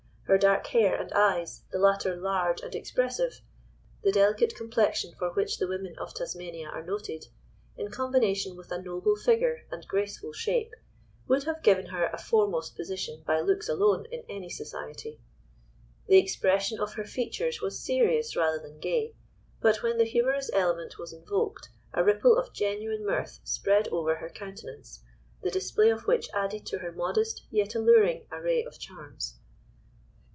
Her dark hair and eyes, the latter large and expressive, the delicate complexion for which the women of Tasmania are noted, in combination with a noble figure and graceful shape, would have given her a foremost position by looks alone in any society. The expression of her features was serious rather than gay, but when the humorous element was invoked a ripple of genuine mirth spread over her countenance, the display of which added to her modest, yet alluring array of charms.